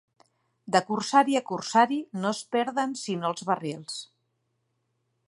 De corsari a corsari no es perden sinó els barrils.